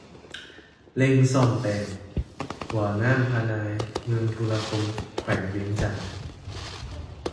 ເລັ່ງສ້ອມແປງ! ຂົວນໍ້າພະນາຍ ເມືອງທຸລະຄົມ ແຂວງວຽງຈັນ